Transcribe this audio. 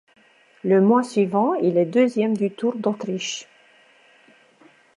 Le mois suivant, il est deuxième du Tour d'Autriche.